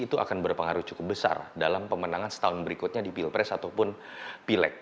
itu akan berpengaruh cukup besar dalam pemenangan setahun berikutnya di pilpres ataupun pileg